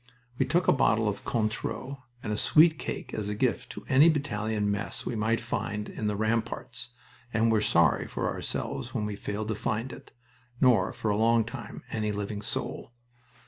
We took a bottle of Cointreau and a sweet cake as a gift to any battalion mess we might find in the ramparts, and were sorry for ourselves when we failed to find it, nor, for a long time, any living soul.